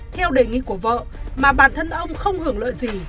theo đề nghị của vợ mà bản thân ông không hưởng lợi gì